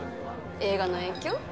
映画の影響？